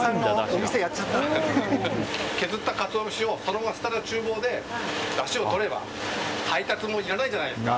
削ったカツオ節をそのまま下の厨房でだしをとれば配達もいらないじゃないですか。